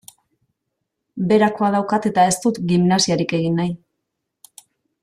Beherakoa daukat eta ez dut gimnasiarik egin nahi.